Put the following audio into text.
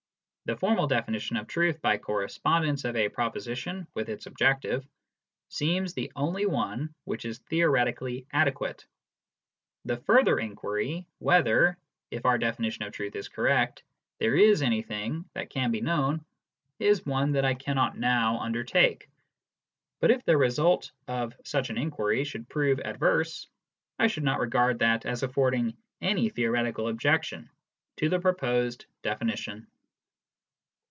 The formal definition of truth by correspondence of a proposi tion with its objective seems the only one which is theoretically adequate. The further inquiry whether, if our definition of truth is correct, there is anything that can be known, is one that I cannot now undertake ; but if the result of such an inquiry should prove adverse, I should not regard that as affording any theoretical objection to the proposed definition.